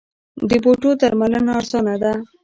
د بوټو درملنه ارزانه ده؟